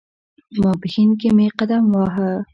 ماپښین کې مې قدم واهه.